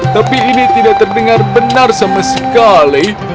tapi ini tidak terdengar benar sama sekali